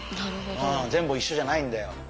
全部いっしょじゃないんだよ。